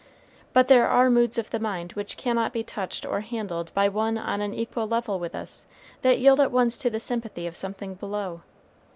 But there are moods of the mind which cannot be touched or handled by one on an equal level with us that yield at once to the sympathy of something below.